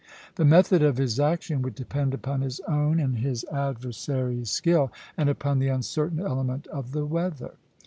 The method of his action would depend upon his own and his adversary's skill, and upon the uncertain element of the weather.